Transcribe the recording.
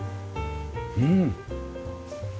うん。